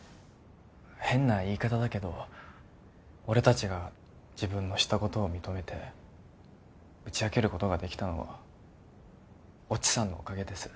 変な言い方だけど俺達が自分のしたことを認めて打ち明けることができたのは越智さんのおかげです